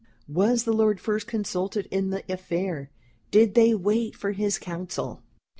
Was the Lord first consulted in the affair? Did they wait for his Counsell?"